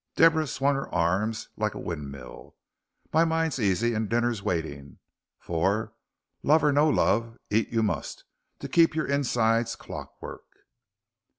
Deborah swung her arms like a windmill. "My mind's easy and dinner's waiting, for, love or no love, eat you must, to keep your insides' clockwork."